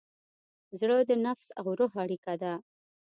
زړه د نفس او روح اړیکه ده.